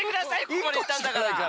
ここまでいったんだから。